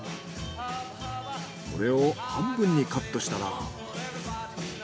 これを半分にカットしたら。